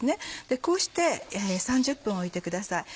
こうして３０分置いてください。